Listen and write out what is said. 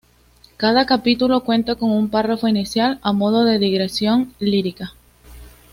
Cada capítulo cuenta con un párrafo inicial a modo de digresión lírica.